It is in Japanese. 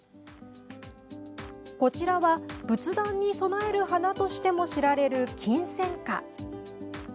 こちらは、仏壇に供える花としても知られるキンセンカ。